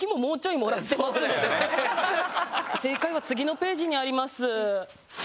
正解は次のページにあります。